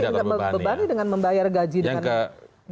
tidak terbebani dengan membayar gaji dengan